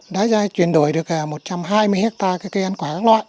đã truyền đổi được một trăm hai mươi hectare cây ăn quả các loại